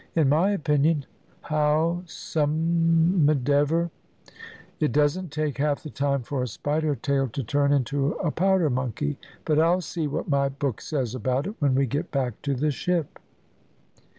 "In my opinion, howsomedever, it doesn't take half that time for a spider tail to turn into a powder monkey; but I'll see what my book says about it when we get back to the ship."